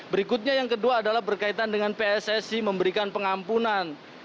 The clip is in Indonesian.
berikutnya yang kedua adalah berkaitan dengan pssi memberikan pengampunan